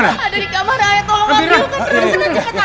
ada di kamar ayo tolong aku kita cepet dua